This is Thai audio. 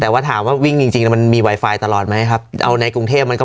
แต่ว่าถามว่าวิ่งจริงจริงแล้วมันมีไวไฟตลอดไหมครับเอาในกรุงเทพมันก็